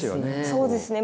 そうですね